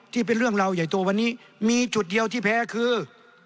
ที่เป็นเรื่องราวใหญ่โตวันนี้มีจุดเดียวที่แพ้คือ